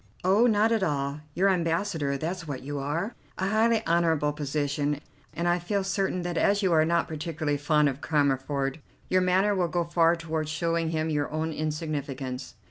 "Oh, not at all; you're ambassador, that's what you are; a highly honourable position, and I feel certain that as you are not particularly fond of Cammerford your manner will go far toward showing him his own insignificance.